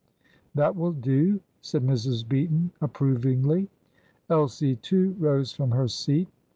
"That will do," said Mrs. Beaton approvingly. Elsie, too, rose from her seat.